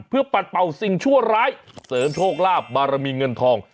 เพื่อปัดเป่าสิ่งชั่วร้ายเสริมโชคลาภบารมีเงินทอง